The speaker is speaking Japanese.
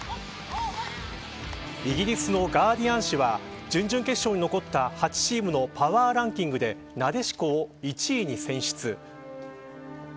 イギリスのガーディアン紙は準々決勝に残った８チームのパワーランキングでなでしこを１位に選出。